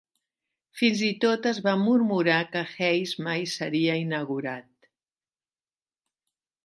Fins i tot es va murmurar que Hayes mai seria inaugurat.